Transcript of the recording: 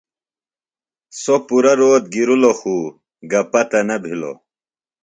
سوۡ پُرہ روت گِرِلوۡ خو گہ پتہ نہ بِھلوۡ۔